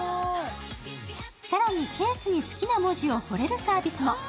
更に、ケースに好きな文字を彫れるサービスも。